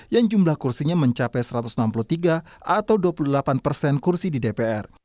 dan mereka akan mencari pemerintah yang lebih elegan